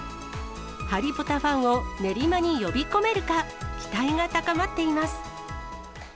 ハリポタファンを練馬に呼び込めるか、期待が高まっています。